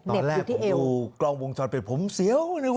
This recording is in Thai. ตอนแรกผมดูกลองวงชอดเป็นผมเสียว